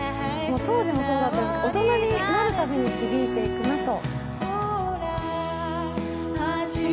当時もそうだった、大人になるたびに響いていくなと。